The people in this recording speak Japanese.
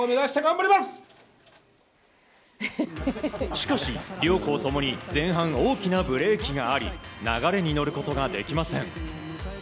しかし、両校ともに前半大きなブレーキがあり流れに乗ることができません。